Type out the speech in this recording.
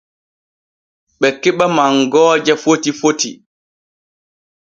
Ɓe keɓa mangooje foti foti.